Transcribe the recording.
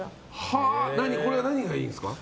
これ何がいいんですか？